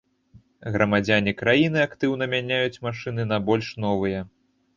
Грамадзяне краіны актыўна мяняюць машыны на больш новыя.